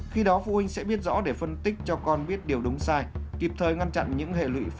khi đó phụ huynh sẽ biết rõ để phân tích cho con biết điều đúng sai kịp thời ngăn chặn những hệ lụy phát sinh